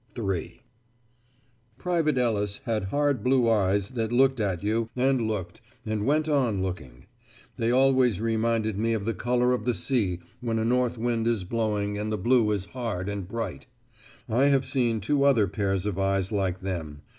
III Private Ellis had hard blue eyes that looked at you, and looked, and went on looking; they always reminded me of the colour of the sea when a north wind is blowing and the blue is hard and bright. I have seen two other pairs of eyes like them.